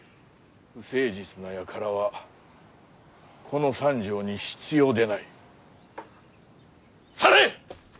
不誠実なやからはこの三条に必要でない去れ！